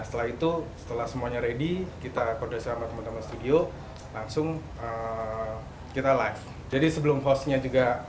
satu atau dua hari sebelumnya